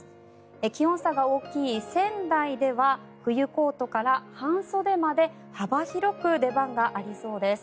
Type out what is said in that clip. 気温差が大きい仙台では冬コートから半袖まで幅広く出番がありそうです。